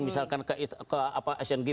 misalkan ke asian game